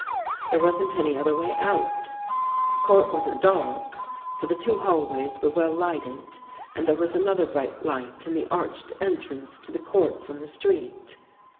There wasn't any other way out. The court wasn't dark, for the two hallways were well lighted and there was another bright light in the arched entrance to the court from the street.